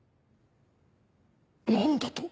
何だと！